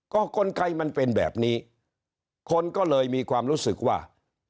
ก็กลไกมันเป็นแบบนี้คนก็เลยมีความรู้สึกว่า